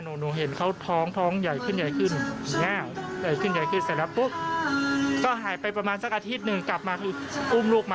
นี่คือเสียงคนที่เขาอยู่ในซอยบัวขาวตรงนี้นะคะ